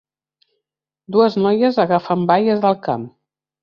Dues noies agafen baies del camp.